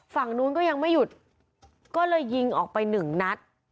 ฝั่งนู้นก็ยังไม่หยุดก็เลยยิงออกไปหนึ่งนัด